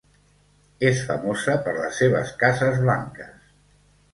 És famosa per les seves cases blanques.